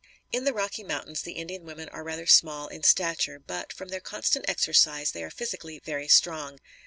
In the Rocky Mountains, the Indian women are rather small in stature, but, from their constant exercise they are physically very strong.